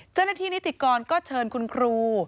เจ้าหน้าที่นิติกรก็เชิญคุณครู